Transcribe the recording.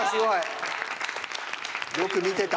よく見てた。